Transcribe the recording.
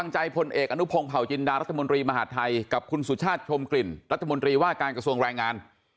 ใช่กับคุณสุชาติชมกลิ่นรัฐมนตรีว่าการกระทรวงแรงงาน